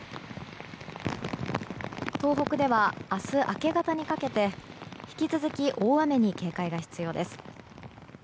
東北では明日明け方にかけて引き続き大雨に警戒が必要です。